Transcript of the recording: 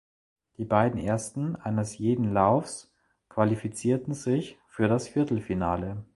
Die beiden Ersten eines jeden Laufs qualifizierten sich für das Viertelfinale.